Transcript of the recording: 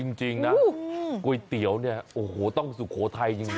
จริงนะก๋วยเตี๋ยวเนี่ยโอ้โหต้องสุโขทัยจริง